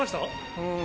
うん。